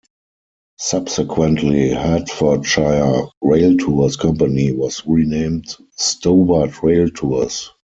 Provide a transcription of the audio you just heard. Subsequently Hertfordshire Rail Tours company was renamed Stobart Rail Tours.